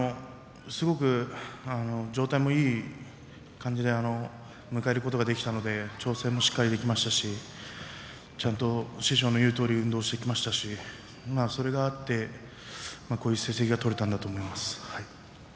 すごく状態もいい感じで迎えることができたので調整もしっかりできましたしちゃんと師匠の言うとおり運動をしてきましたしそれがあって、こういう成績が取れたんだと思います。